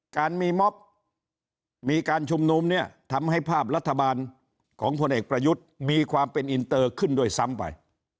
การมีม็อบมีการชุมนุมเนี่ยทำให้ภาพรัฐบาลของพลเอกประยุทธ์มีความเป็นอินเตอร์ขึ้นด้วยซ้ำไป